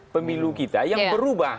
pemilu kita yang berubah